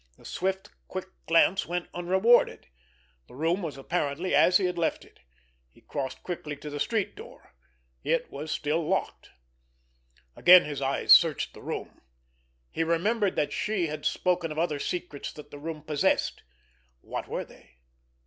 The swift, quick glance went unrewarded. The room was apparently as he had left it. He crossed quickly to the street door. It was still locked. Again his eyes searched the room. He remembered that she had spoken of other secrets that the room possessed. What were they?